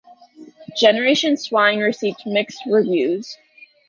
"Generation Swine" received mixed reviews.